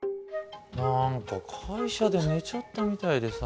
何か会社で寝ちゃったみたいでさ。